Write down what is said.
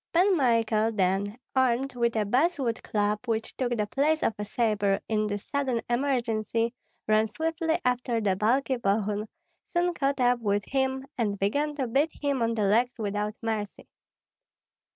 Pan Michael, then, armed with a basswood club, which took the place of a sabre in this sudden emergency, ran swiftly after the bulky Bogun, soon caught up with him, and began to beat him on the legs without mercy.